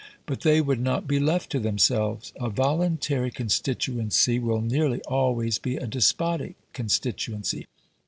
But they would not be left to themselves. A voluntary constituency will nearly always be a despotic constituency.